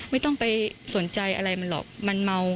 ไม่ต้องไปสนใจอะไรมันหรอกมันเมา